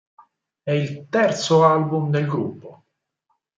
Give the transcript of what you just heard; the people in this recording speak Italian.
È il terzo album del gruppo.